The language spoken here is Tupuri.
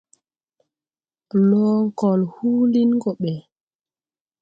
Blo kol huulin go ɓɛ.